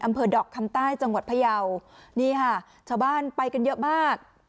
อำเภอดอกคำใต้จังหวัดพยาวนี่ค่ะชาวบ้านไปกันเยอะมาก